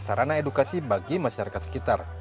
sarana edukasi bagi masyarakat sekitar